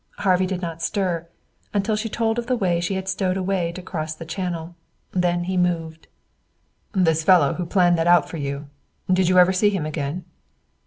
Harvey did not stir until she told of the way she had stowed away to cross the channel. Then he moved. "This fellow who planned that for you did you ever see him again?"